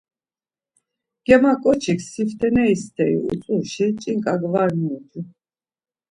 Germaǩoçik sifteneri steri utzuşi ç̌inǩak var nuucu.